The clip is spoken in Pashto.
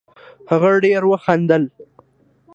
هغه ډېر وخندل